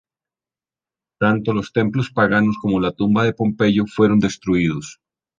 Tanto los templos paganos como la tumba de Pompeyo fueron destruidos.